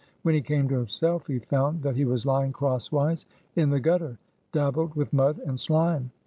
When he came to himself he found that he was lying crosswise in the gutter, dabbled with mud and slime.